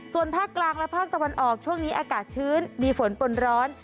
ส่วนภาคกลางและภาคตะวันออกช่วงนี้อากาศชื้นมีฝนปนร้อน